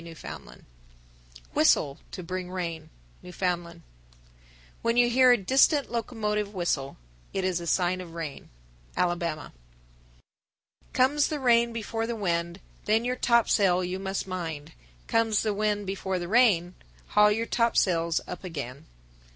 F._ 1046. Whistle to bring rain. Newfoundland. 1047. When you hear a distant locomotive whistle, it is a sign of rain. Alabama. 1048. Comes the rain before the wind, Then your topsail you must mind. Comes the wind before the rain, Haul your topsails up again.